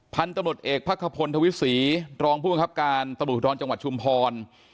พันธุ์ตำรวจเอกพักขพลทวิศรีรองผู้บังคับการตำรวจภูทรจังหวัดชุมพร